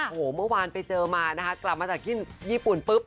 โอ้โหเมื่อวานไปเจอมานะคะกลับมาจากที่ญี่ปุ่นปุ๊บ